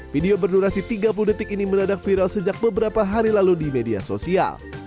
video berdurasi tiga puluh detik ini meradak viral sejak beberapa hari lalu di media sosial